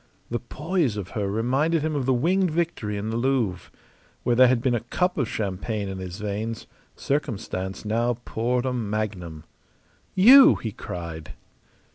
The poise of her reminded him of the Winged Victory in the Louvre. Where there had been a cup of champagne in his veins circumstance now poured a magnum. "You!" he cried.